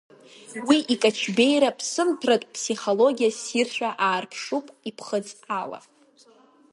Уи икаҷбеира-ԥсымҭәратә ԥсихологиа ссиршәа иаарԥшуп иԥхыӡ ала.